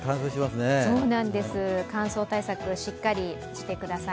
乾燥対策、しっかりしてください。